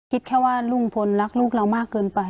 คิดแค่ว่าลุงพลรักลูกเรามากเกินไป